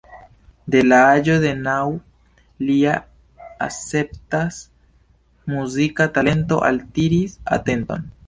De la aĝo de naŭ lia escepta muzika talento altiris atenton.